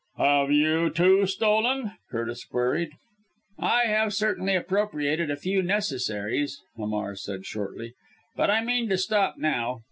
"Have you, too, stolen?" Curtis queried. "I have certainly appropriated a few necessaries," Hamar said shortly, "but I mean to stop now.